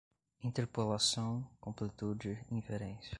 interpolação, completude, inferência